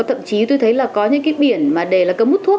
thậm chí tôi thấy là có những cái biển mà để là cấm hút thuốc